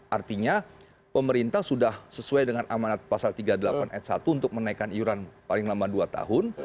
artinya pemerintah sudah sesuai dengan amanat pasal tiga puluh delapan s satu untuk menaikkan iuran paling lama dua tahun